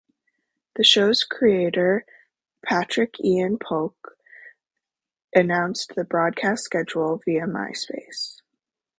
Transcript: The show's creator, Patrik-Ian Polk, announced the broadcast schedule via MySpace.